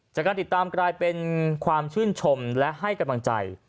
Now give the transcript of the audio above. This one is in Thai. จากการติดตามกลายเป็นความชื่นชมและให้กำลังใจ